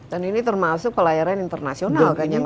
dan ini termasuk pelayaran internasional kan